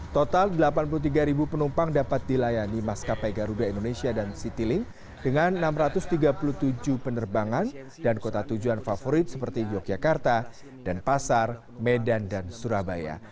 total delapan puluh tiga penumpang dapat dilayani maskapai garuda indonesia dan citylink dengan enam ratus tiga puluh tujuh penerbangan dan kota tujuan favorit seperti yogyakarta dan pasar medan dan surabaya